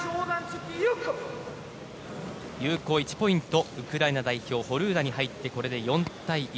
有効１ポイント、ウクライナ代表ホルーナに入ってこれで４対１。